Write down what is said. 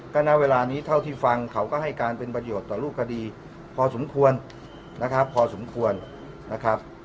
ก็ณเวลานี้เท่าที่ฟังเขาก็ให้การเป็นประโยชน์ต่อรูปคดีพอสมควรนะครับพอสมควรนะครับ